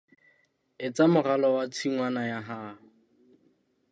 Etsa moralo wa tshingwana ya hao.